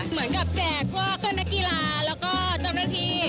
เหมือนกับแจกว่าก็นักกีฬาแล้วก็เจ้าหน้าที่